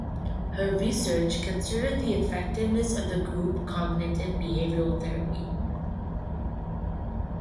Her research considered the effectiveness of group cognitive behavioural therapy.